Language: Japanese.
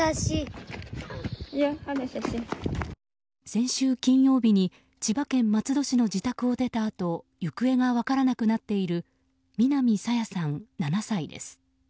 先週金曜日に千葉県松戸市の自宅を出たあと行方が分からなくなっている南朝芽さん、７歳です。